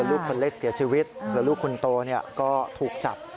ตัวลูกคนเล็กเสียชีวิตหรือลูกคนโตเนี่ยย็วเขาถูกจับ